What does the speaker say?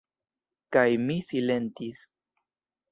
Kaj mi silentis.